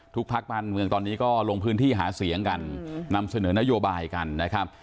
ภาคบ้านเมืองตอนนี้ก็ลงพื้นที่หาเสียงกันนำเสนอนโยบายกันนะครับ